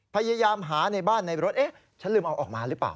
พยายามหาในบ้านในรถเอ๊ะฉันลืมเอาออกมาหรือเปล่า